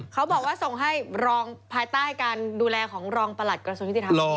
เขาบอกว่าส่งให้รองภายใต้การดูแลของรองประหลัดกระทรวงยุติธรรม